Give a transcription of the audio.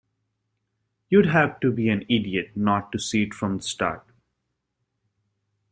You'd have to be an idiot not to see it from the start.